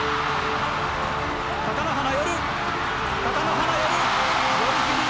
貴乃花寄る、貴乃花寄る寄り切り。